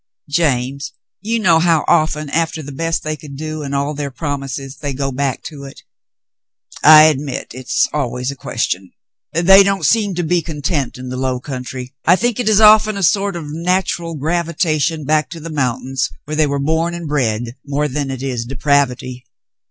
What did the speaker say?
James, you know how often after the best you could do and all their promises, they go back to it .?" "I admit it's always a question. They don't seem to be content in the low country. I think it is often a sort of natural gravitation back to the mountains where they were born and bred, more than it is depravity."